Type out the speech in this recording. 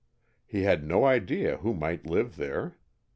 He had no idea who might live there.